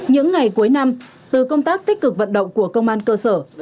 những ngày cuối năm từ công tác tích cực vận động của công an cơ sở